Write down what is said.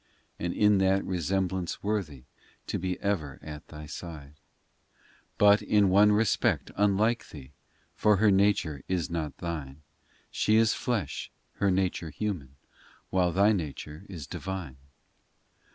And in that resemblance worthy To be ever at Thy side ; IV But in one respect unlike Thee, For her nature is not Thine : She is flesh her nature human While Thy nature is divine.